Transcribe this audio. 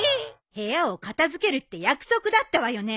部屋を片付けるって約束だったわよね。